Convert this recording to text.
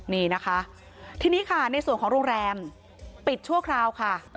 นี่นะคะทีนี้ค่ะในส่วนของโรงแรมปิดชั่วคราวค่ะ